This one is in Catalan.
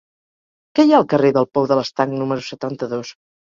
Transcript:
Què hi ha al carrer del Pou de l'Estanc número setanta-dos?